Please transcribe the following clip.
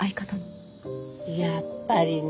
やっぱりね。